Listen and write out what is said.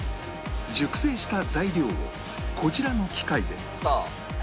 熟成した材料をこちらの機械で